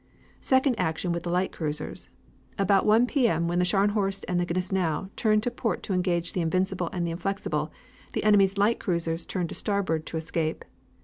"Second, action with the light cruisers. About one P. M. when the Scharnhorst and the Gneisenau turned to port to engage the Invincible and the Inflexible, the enemy's light cruisers turned to starboard to escape.